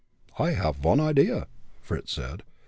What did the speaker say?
"I haff von idea," Fritz said.